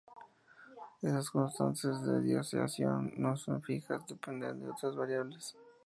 Esas constantes de disociación no son fijas, dependen de otras variables.